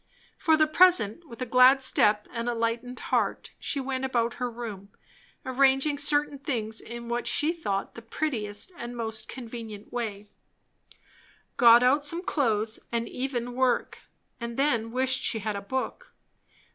For the present, with a glad step and a lightened heart she went about her room, arranging certain things in what she thought the prettiest and most convenient way; got out some clothes, and even work; and then wished she had a book.